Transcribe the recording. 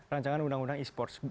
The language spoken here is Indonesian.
rancangan undang undang esports